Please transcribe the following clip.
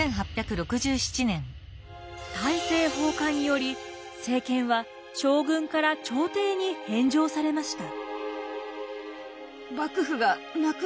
大政奉還により政権は将軍から朝廷に返上されました。